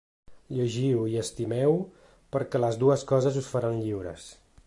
Llegiu i estimeu perquè les dues coses us faran lliures.